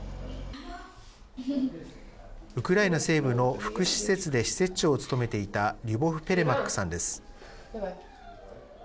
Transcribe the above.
ウクライナ西部の福祉施設で施設長を務めていたリュボフ・ペレマックさんです。